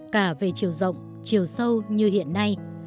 cả về chiều rộng chiều sâu như hiện nay